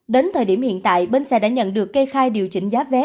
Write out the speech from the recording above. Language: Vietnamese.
đến thời điểm hiện tại bến xe đã nhận được kê khai điều chỉnh giá vé